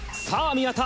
宮田